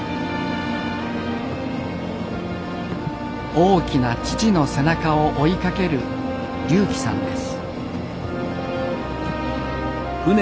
大きな父の背中を追いかける龍希さんです。